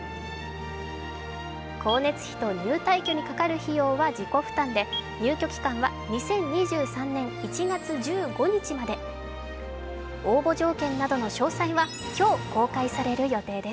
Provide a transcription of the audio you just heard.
光熱費と入退去にかかる費用は自己負担で入居期間は２０２３年１月１５日まで。